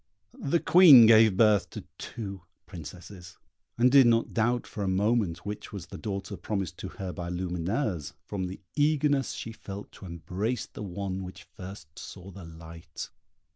The Queen gave birth to two princesses, and did not doubt for a moment which was the daughter promised to her by Lumineuse, from the eagerness she felt to embrace the one which first saw the light.